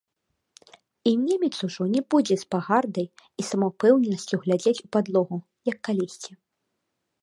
І немец ужо не будзе з пагардай і самаўпэўненасцю глядзець у падлогу, як калісьці.